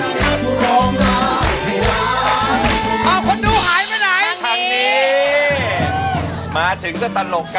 ด้านล่างเขาก็มีความรักให้กันนั่งหน้าตาชื่นบานมากเลยนะคะ